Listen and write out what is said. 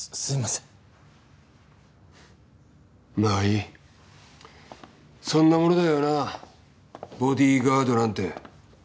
そんなものだよなボディーガードなんて。